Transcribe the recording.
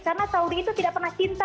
karena saudi itu tidak pernah berinvestasi